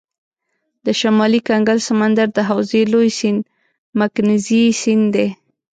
د شمالي کنګل سمندر د حوزې لوی سیند مکنزي سیند دی.